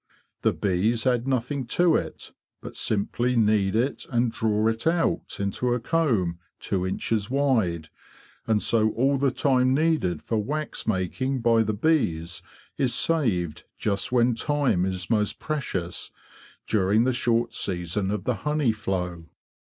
The bees add nothing to it, but simply knead it and draw it out into a comb two inches wide; and so all the time needed for wax making by the bees is saved just when time is most precious—during the short season of the honey flow."